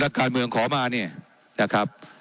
ว่าการกระทรวงบาทไทยนะครับ